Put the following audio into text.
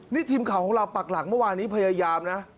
นี่ทีมข่าวของเราปักหลักเมื่อวานนี้พยายามนะ